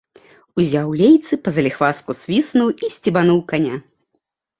Узяў лейцы, па-заліхвацку свіснуў і сцебануў каня.